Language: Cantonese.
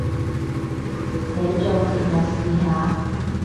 你做節目試下